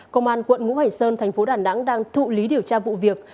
công an quận ngũ hải sơn tp đà nẵng đang thụ lý điều tra vụ việc